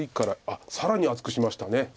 あっ更に厚くしました。